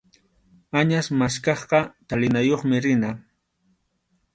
Añas maskaqqa chalinayuqmi rina.